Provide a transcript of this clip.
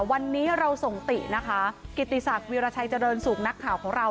วันนี้เราส่งตินะคะกิติศักดิราชัยเจริญสุขนักข่าวของเรา